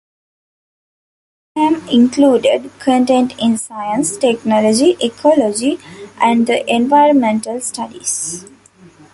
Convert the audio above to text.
The Science exam included content in science, technology, ecology and the environmental studies.